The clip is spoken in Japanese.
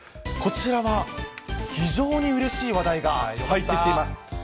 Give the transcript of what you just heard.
こちらは、非常にうれしい話題が入ってきています。